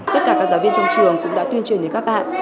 tất cả các giáo viên trong trường cũng đã tuyên truyền đến các bạn